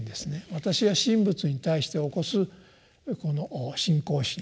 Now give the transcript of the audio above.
私が神仏に対して起こす信仰心